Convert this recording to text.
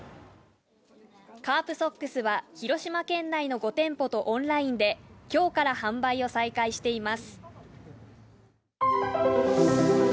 カープソックスは広島県内の５店舗とオンラインで、きょうから販売を再開しています。